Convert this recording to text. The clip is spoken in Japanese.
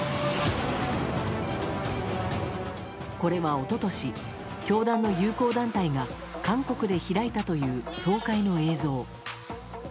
これは一昨年、教団の友好団体が韓国で開いたという総会の映像。